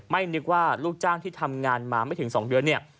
นึกว่าลูกจ้างที่ทำงานมาไม่ถึง๒เดือนเนี่ย